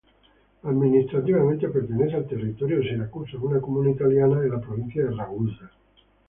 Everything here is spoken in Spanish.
Administrativamente pertenece al territorio de Siracusa, una comuna italiana de la provincia de Ragusa.